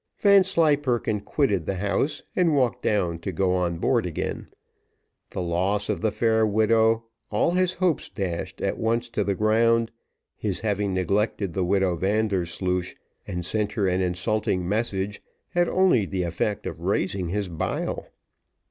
Vanslyperken quitted the house, and walked down to go on board again; the loss of the fair widow, all his hopes dashed at once to the ground, his having neglected the widow Vandersloosh and sent her an insulting message, had only the effect of raising his bile.